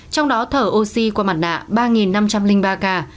trong đó thở oxy qua mặt nạ ba năm trăm linh ba ca